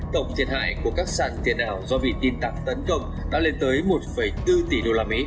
tổng thiệt hại của các sàn tiền ảo do bị tin tặng tấn công đã lên tới một bốn tỷ usd